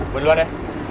gue duluan ya